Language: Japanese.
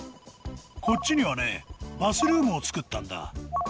こっちにはねバスルームを作ったんだ。